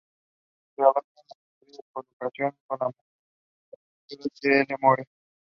This was Philip Drinker.